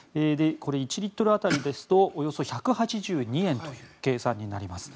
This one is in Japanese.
１リットル当たりですとおよそ１８２円という計算になります。